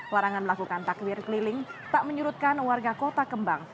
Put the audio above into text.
larangan melakukan takbir keliling tak menyurutkan warga kota kembang